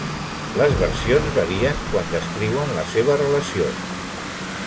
Les versions varien quan descriuen la seva relació.